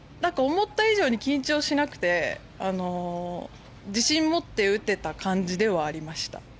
思った以上に緊張しなくて自信を持って打てた感じではありました。